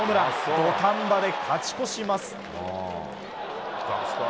土壇場で勝ち越します。